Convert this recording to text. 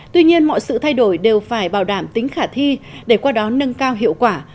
tuy nhiên mọi sự thay đổi đều phải bảo đảm tính khả thi để qua đó nâng cao hiệu quả